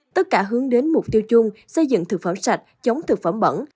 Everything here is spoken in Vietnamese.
tất cả hướng đến mục tiêu chung xây dựng thực phẩm sạch chống thực phẩm bẩn